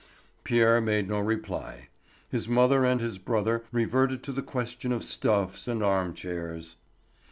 Pierre made no reply. His mother and his brother reverted to the question of stuffs and arm chairs.